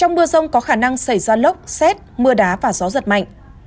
trong mưa rông có khả năng xảy ra lốc xét mưa đá và gió giật mạnh